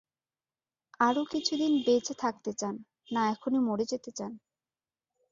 আরো কিছুদিন বেঁচে থাকতে চান, না এখনি মরে যেতে চান?